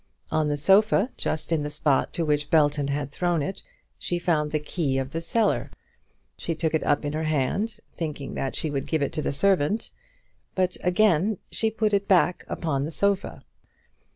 On the sofa, just in the spot to which Belton had thrown it, she found the key of the cellar. She took it up in her hand, thinking that she would give it to the servant; but again she put it back upon the sofa.